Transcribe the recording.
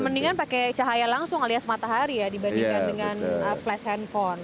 mendingan pakai cahaya langsung alias matahari ya dibandingkan dengan flash handphone